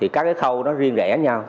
các khâu riêng rẻ nhau